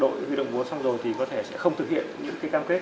đội huy động vốn xong rồi thì có thể sẽ không thực hiện những cái cam kết